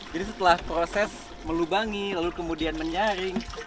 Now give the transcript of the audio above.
jadi setelah proses melubangi lalu kemudian menyaring